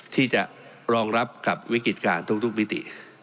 ที่จะรองรับกับวิกฤติการทุกมิติ